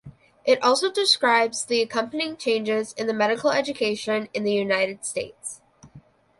It also describes the accompanying changes in medical education in the United States.